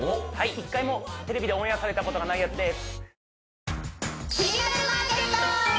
一回もテレビでオンエアされたことがないやつです